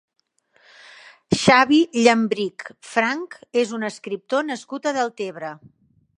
Xavi Llambrich Franch és un escriptor nascut a Deltebre.